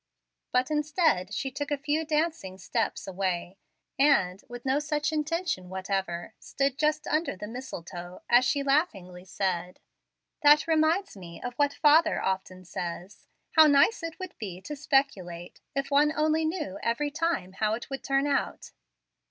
But, instead, she took a few dancing steps away, and, with no such intention whatever, stood just under the mistletoe as she laughingly said, "That reminds me of what father often says: How nice it would be to speculate, if one only knew every time how it would turn out!"